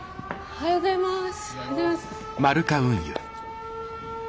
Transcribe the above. おはようございます。